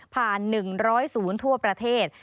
๑๐๐ศูนย์ทั่วประเทศ